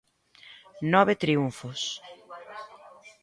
Nove triunfos.